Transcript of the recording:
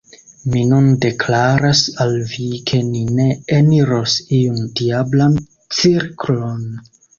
Mi nun deklaras al vi, ke ni ne eniros iun diablan cirklon.